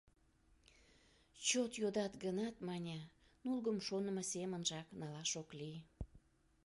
Чот йодат гынат, мане, нулгым шонымо семынжак налаш ок лий.